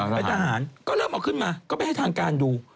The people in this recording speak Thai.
เป็นทหารก็เริ่มเอาขึ้นมาก็ไปให้ทางการดู